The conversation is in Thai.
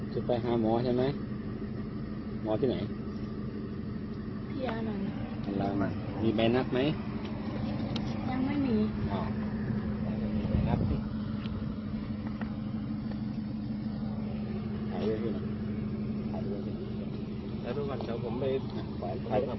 จะไปหาหมอใช่ไหมหมอที่ไหนมีแบรนด์หักไหมยังไม่มี